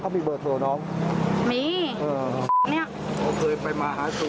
กลับไปลองกลับ